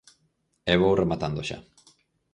E vou rematando xa.